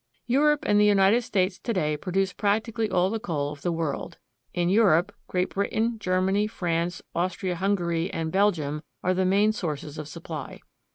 Europe and the United States to day produce practically all the coal of the world. In Europe, Great Britain, Germany, France, Austria Hungary, and Belgium are the main sources of supply.